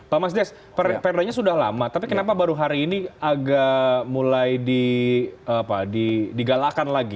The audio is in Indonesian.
pak mas des perannya sudah lama tapi kenapa baru hari ini agak mulai di apa di digalakan lagi